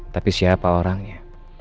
tapi siapa orangnya